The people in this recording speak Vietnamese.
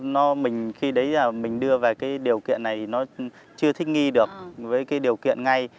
nó mình khi đấy mình đưa về cái điều kiện này nó chưa thích nghi được với cái điều kiện ngay